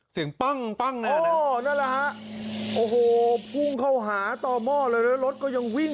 ปั้งปั้งเลยนั่นแหละฮะโอ้โหพุ่งเข้าหาต่อหม้อเลยแล้วรถก็ยังวิ่ง